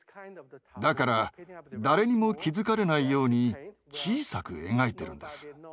だから誰にも気付かれないように小さく描いてるんです。